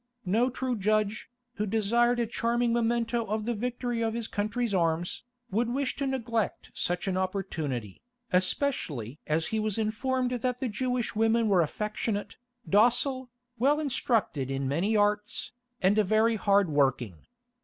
No true judge, who desired a charming memento of the victory of his country's arms, would wish to neglect such an opportunity, especially as he was informed that the Jewish women were affectionate, docile, well instructed in many arts, and very hard working.